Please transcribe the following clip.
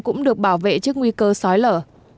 cũng được bảo vệ trước nguy cơ sói lở